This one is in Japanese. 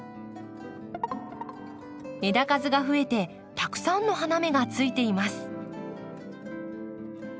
枝数が増えてたくさんの花芽がついています。